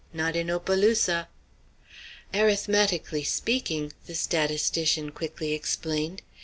not in Opelousas!" "Arithmetically speaking!" the statistician quickly explained.